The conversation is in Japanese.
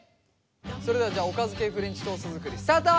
それではじゃあおかず系フレンチトースト作りスタート。